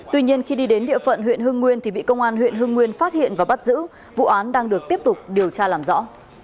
tuy nhiên khi đi đến địa phận huyện hưng nguyên thì bị công an huyện hưng nguyên phát hiện và bắt giữ vụ án đang được tiếp tục điều tra làm rõ